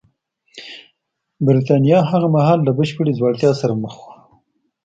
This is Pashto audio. برېټانیا هغه مهال له بشپړې ځوړتیا سره مخ وه